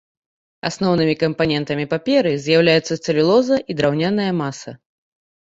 Асноўнымі кампанентамі паперы з'яўляюцца цэлюлоза і драўняная маса.